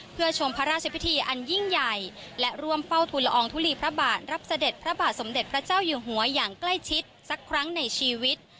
เพื่อชมพระราชพิธีอันยิ่งใหญ่และร่วมเฝ้าทุลอองทุลีพระบาทรับเสด็จพระบาทสมเด็จพระเจ้าอยู่หัวอย่างใกล้ชิดสักครั้งในชีวิต